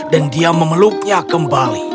dan dia memeluknya kembali